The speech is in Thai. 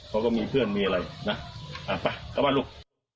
เขาก็มีเพื่อนมีอะไรนะอ่ะไปกลับบ้านลูก